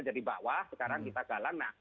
dari bawah sekarang kita galang nah